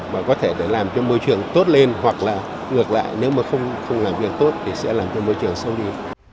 và có thể để làm cho môi trường tốt lên hoặc là ngược lại nếu mà không làm việc tốt thì sẽ làm cho môi trường sâu đi